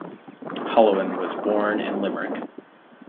Holohan was born in Limerick.